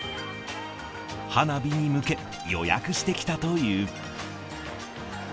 花火に向け、予約して来たという。